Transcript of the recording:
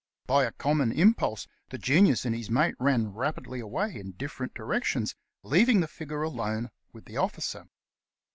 By a common impulse the Genius and his mate ran rapidly away in different '' cctions, leaving the figure alone with the officer.